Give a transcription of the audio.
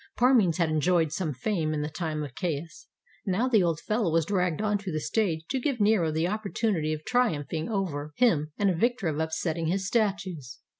Parmenes had enjoyed some fame in the time of Caius ; now the old fellow was dragged on to the stage to give Nero the opportunity of triumphing over him, and as victor of upsetting his statues.